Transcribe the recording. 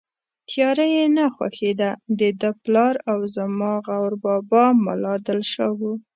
تیاره یې نه خوښېده، دده پلار او زما غور بابا ملا دل شاه و.